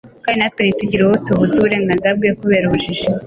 kandi natwe ntitugire uwo tuvutsa uburenganzira bwe kubera ubujiji.